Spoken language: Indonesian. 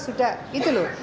sudah itu loh